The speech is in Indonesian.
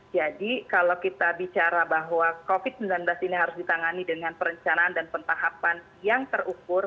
jadi kalau kita bicara bahwa covid sembilan belas ini harus ditangani dengan perencanaan dan pentahapan yang terukur